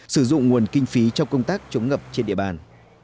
sử dụng nguồn kinh phí cho công tác chống ngập trên địa bàn